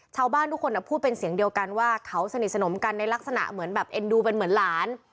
ชาวบ้านทุกคนพูดเป็นเสียงเดียวกันว่าเขาสนิทสนมกันในลักษณะเหมือนแบบเอ็นดูเป็นเหมือนหลาน